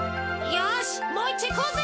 よしもういっちょいこうぜ！